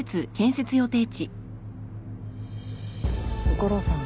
悟郎さん